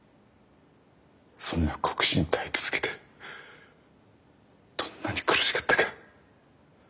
そんな酷使に耐え続けてどんなに苦しかったか。